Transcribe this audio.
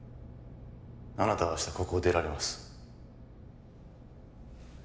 あなたは明日ここを出られます